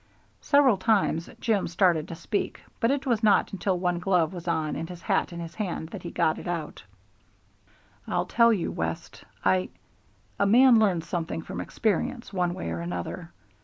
Several times Jim started to speak, but it was not until one glove was on and his hat in his hand that he got it out: "I'll tell you, West, I A man learns something from experience, one way or another.